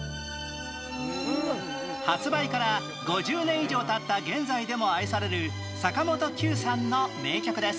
発売から５０年以上経った現在でも愛される坂本九さんの名曲です